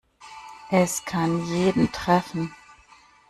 Es kann jeden treffen.